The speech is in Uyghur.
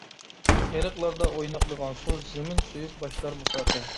ئېرىقلاردا ئويناقلىغان سۇ، زېمىن سۆيۈپ باشلار مۇساپە.